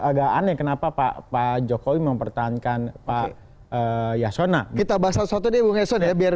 agak aneh kenapa pak jokowi mempertahankan pak yasona kita bahas sesuatu deh bu ngeson ya biar